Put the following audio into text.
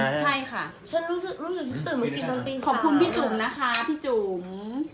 ฉันรู้สึกรู้สึกตื่นมากินต้นตีสามขอบคุณพี่จุ๋มนะคะพี่จุ๋ม